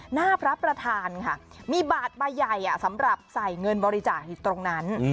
หน้าพระประธานค่ะมีบาทใบใหญ่สำหรับใส่เงินบริจาคอยู่ตรงนั้น